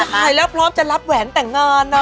ถ่ายแล้วพร้อมจะรับแหวนแต่งงานเนอะ